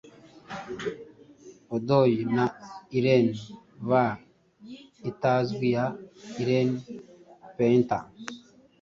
Odyeu na iren, vae itazwi ya iren Painter,